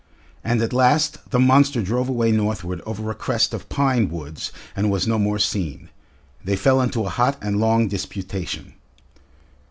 And at last the monster drove away northward over a crest of pine woods and was no more seen. They fell into a hot and long disputation....